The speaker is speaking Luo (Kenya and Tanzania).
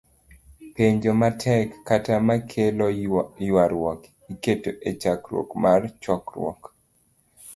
Penjo ma tek, kata ma kelo ywaruok, iketo e chakruok mar chokruok